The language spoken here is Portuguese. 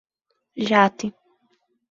Jati